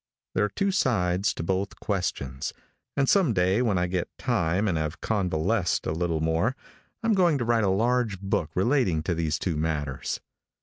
There are two sides to both questions, and some day when I get time and have convalesced a little more, I am going to write a large book relating to these two matters.